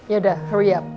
yaudah hurry up